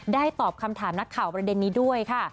ตอบคำถามนักข่าวประเด็นนี้ด้วยค่ะ